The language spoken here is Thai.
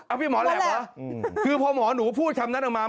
อ้าวหมอแหลปคือพอหมอหนูพูดทำนั้นออกมา